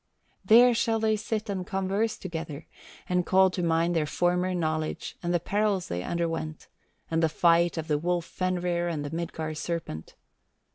There shall they sit and converse together, and call to mind their former knowledge and the perils they underwent, and the fight of the wolf Fenrir and the Midgard serpent.